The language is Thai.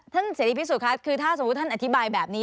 เสรีพิสุทธิ์ค่ะคือถ้าสมมุติท่านอธิบายแบบนี้